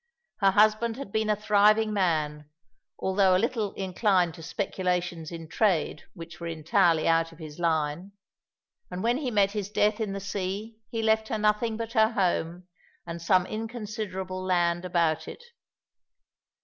Her husband had been a thriving man, although a little inclined to speculations in trade which were entirely out of his line, and when he met his death in the sea he left her nothing but her home and some inconsiderable land about it.